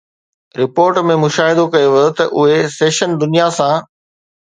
report ۾ مشاهدو ڪيو ويو ته اهي سيشن دنيا سان